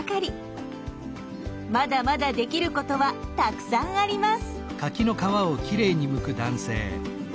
まだまだできることはたくさんあります。